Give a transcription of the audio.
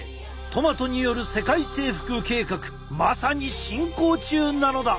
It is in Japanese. トマトによる世界征服計画まさに進行中なのだ！